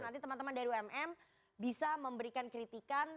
nanti teman teman dari umm bisa memberikan kritikan